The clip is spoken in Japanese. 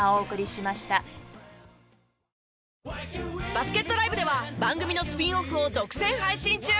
バスケットＬＩＶＥでは番組のスピンオフを独占配信中。